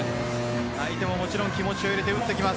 相手を、もちろん気持ちを入れて打ってきます。